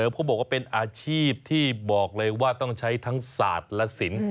เขาบอกว่าเป็นอาชีพที่บอกเลยว่าต้องใช้ทั้งศาสตร์และสิน